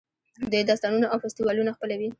دوی داستانونه او فستیوالونه خپلوي.